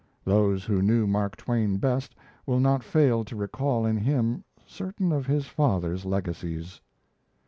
Those who knew Mark Twain best will not fail to recall in him certain of his father's legacies.